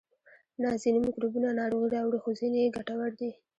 نه ځینې میکروبونه ناروغي راوړي خو ځینې یې ګټور دي